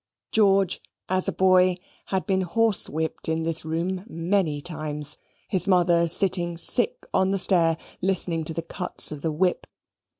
George as a boy had been horsewhipped in this room many times; his mother sitting sick on the stair listening to the cuts of the whip.